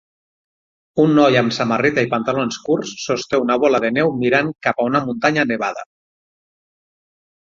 Un noi amb samarreta i pantalons curts sosté una bola de neu mirant cap a una muntanya nevada.